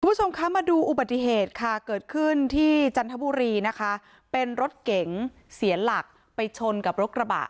คุณผู้ชมคะมาดูอุบัติเหตุค่ะเกิดขึ้นที่จันทบุรีนะคะเป็นรถเก๋งเสียหลักไปชนกับรถกระบะ